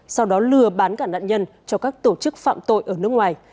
sau đó lừa bán cả nạn nhân cho các tổ chức phạm tội ở nước ngoài